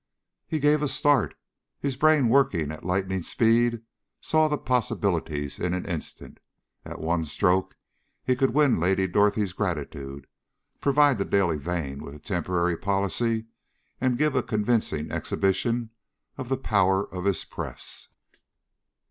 He gave a start. His brain working at lightning speed saw the possibilities in an instant. At one stroke he could win Lady Dorothy's gratitude, provide The Daily Vane with a temporary policy and give a convincing exhibition of the power of his press.